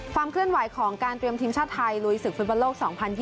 ความเคลื่อนไหวของการเตรียมทีมชาติไทยลุยศึกฟุตบอลโลก๒๐๒๐